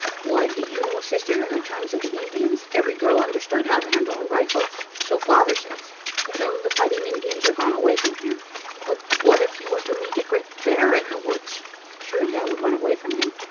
Why, do you know, sister, in the times of the Indians, every girl understood how to handle a rifle so father says. True, the fighting Indians are gone away from here; but what if you were to meet a great hear in the woods?" "Surely I should run away from him."